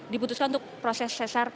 diputuskan untuk proses sesar